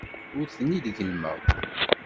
Ur tent-id-gellmeɣ.